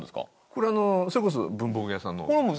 これそれこそ文房具屋さんの。